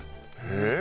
えっ！